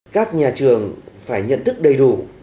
các nhà trường phải nhận thức đầy đủ